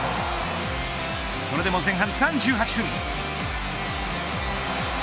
それでも前半３８分。